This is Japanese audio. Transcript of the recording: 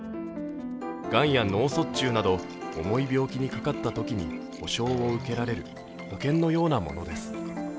がんや脳卒中など重い病気にかかったときに保障を受けられる保険のようなものです。